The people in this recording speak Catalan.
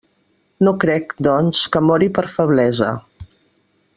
No crec, doncs, que mori per feblesa.